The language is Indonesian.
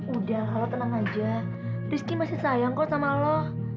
udah kalau tenang aja rizky masih sayang kok sama allah